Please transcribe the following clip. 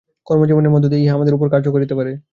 কর্মজীবনের মধ্য দিয়াই ইহা আমাদের উপর কার্য করিতে পারে।